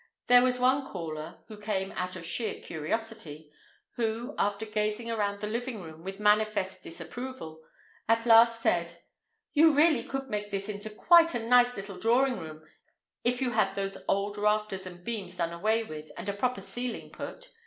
There was one caller (who came out of sheer curiosity) who, after gazing around the living room, with manifest disapproval, at last said, "You really could make this into quite a nice little drawing room if you had those old rafters and beams done away with, and a proper ceiling put.